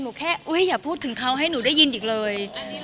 แค่อย่าพูดถึงเขาให้หนูได้ยินอีกเลย